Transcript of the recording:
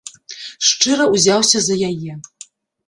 Шчыра ўзяўся за яе.